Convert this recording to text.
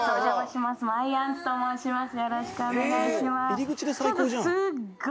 よろしくお願いします